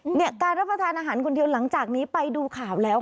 เนี่ยการรับประทานอาหารคนเดียวหลังจากนี้ไปดูข่าวแล้ว